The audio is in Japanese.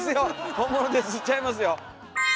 本物ですちゃいますよ！